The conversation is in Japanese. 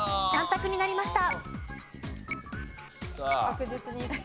２択になりました。